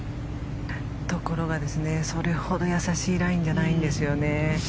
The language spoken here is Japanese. ところがそれほど易しいラインじゃないんですよね。